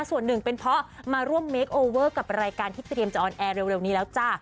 ส่วนหนึ่งเป็นเพราะมาร่วมเมคโอเวอร์กับรายการที่เตรียมจะออนแอร์เร็วนี้แล้วจ้ะ